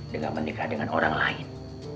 dengan menikah dengan orang lain